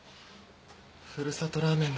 ふるさとラーメンだ